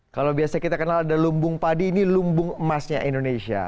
kalau biasa kita kenal ada lumbung padi ini lumbung emasnya indonesia